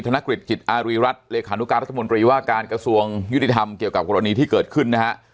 ธนกฤษจิตอารีรัฐเลขานุการรัฐมนตรีว่าการกระทรวงยุติธรรมเกี่ยวกับกรณีที่เกิดขึ้นนะฮะ